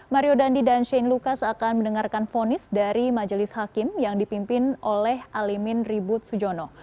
mario dandi dan shane lucas akan mendengarkan fonis dari majelis hakim yang dipimpin oleh alimin ribut sujono